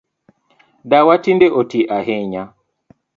Dawa tinde otii ahinya